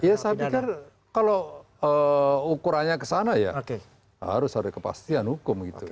ya saya pikir kalau ukurannya ke sana ya harus ada kepastian hukum gitu